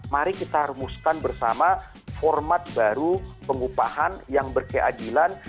mari kita harmuskan bersama format baru pengupahan yang berkeadilan